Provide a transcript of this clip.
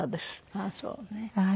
ああそうね。